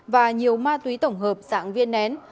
và nhiều ma túy tổng hợp sẵn viên nén